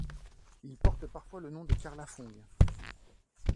Il porte parfois le nom de Carla Fong.